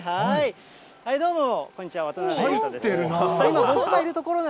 どうも、こんにちは、渡辺裕太で入ってるな。